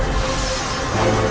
aku akan menangkan gusti ratu